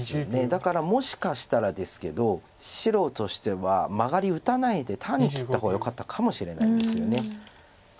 だからもしかしたらですけど白としてはマガリ打たないで単に切った方がよかったかもしれないですよね。